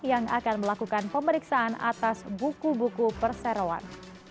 yang akan melakukan pemeriksaan atas buku buku perseroan